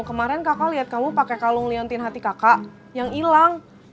kemarin kakak lihat kamu pakai kalung liontin hati kakak yang hilang